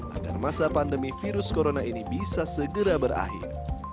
agar masa pandemi virus corona ini bisa segera berakhir